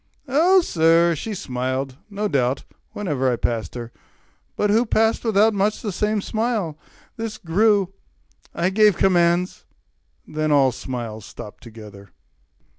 Oh sir, she smiled, no doubt, Whene'er I passed her; but who passed without Much the same smile? This grew; I gave commands; Then all smiles stopped together.